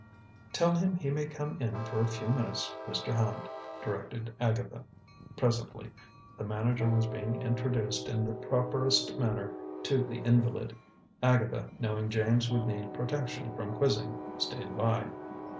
"Tell him he may come in for a few minutes, Mr. Hand," directed Agatha. Presently the manager was being introduced in the properest manner to the invalid. Agatha, knowing James would need protection from quizzing, stayed by.